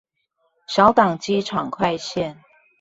小港機場快線